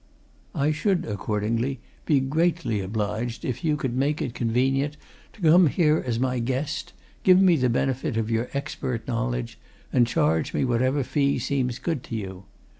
I should accordingly be greatly obliged to you if you could make it convenient to come here as my guest, give me the benefit of your expert knowledge, and charge me whatever fee seems good to you.